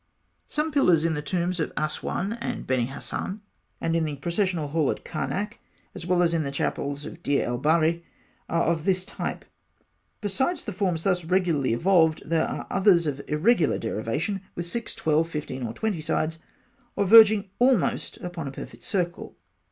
Some pillars in the tombs of Asûan and Beni Hasan, and in the processional hall at Karnak (fig. 59), as well as in the chapels of Deir el Baharî, are of this type. Besides the forms thus regularly evolved, there are others of irregular derivation, with six, twelve, fifteen, or twenty sides, or verging almost upon a perfect circle.